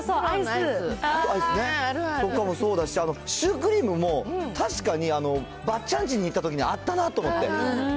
アイスね、とかもそうだし、シュークリームも確かにばっちゃんちに行ったときにあったなと思って。